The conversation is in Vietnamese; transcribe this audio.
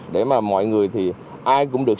để mọi người ai cũng được